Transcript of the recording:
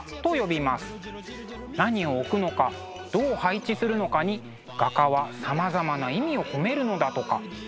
何を置くのかどう配置するのかに画家はさまざまな意味を込めるのだとか。